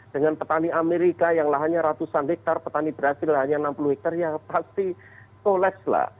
dengan petani amerika yang lahannya ratusan hektar petani brasil yang lahannya enam puluh hektar ya pasti toless lah